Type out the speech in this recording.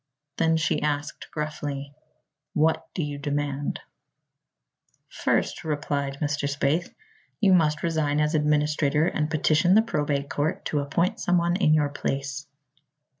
Then she asked gruffly: "What do you demand?" "First," replied Mr. Spaythe, "you must resign as administrator and petition the probate court to appoint some one in your place.